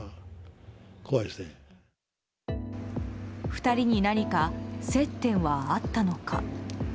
２人に何か接点はあったのか。